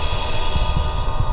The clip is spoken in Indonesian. tidak ada satu